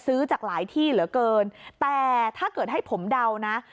ซื้อจากหลายที่เหลือเกินแต่ถ้าเกิดให้ผมเดานะ